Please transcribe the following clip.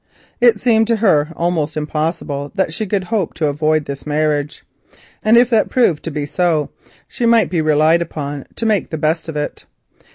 It seemed to her almost impossible that she could hope to avoid this marriage, and if that proved to be so, she might be relied upon to make the best of it.